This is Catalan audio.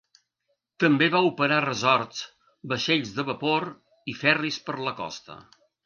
També va operar resorts, vaixells de vapor i ferris per la costa.